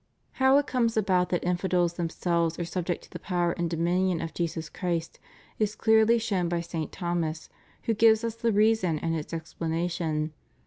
^ How it comes about that infidels themselves are sub ject to the power and dominion of Jesus Christ is clearly shown by St. Thomas, who gives us the reason and its explanation.